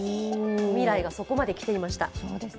未来がそこまで来ていました。